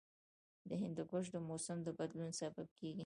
هندوکش د موسم د بدلون سبب کېږي.